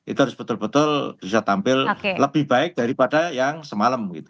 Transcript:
itu harus betul betul bisa tampil lebih baik daripada yang semalam gitu